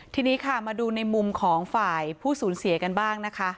ทีนี้ค่ะมาดูในมุมของฝ่ายผู้สูญเสียกันบ้างนะคะ